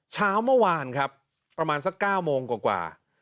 เช้าเมื่อวานครับประมาณสัก๙โมงกว่า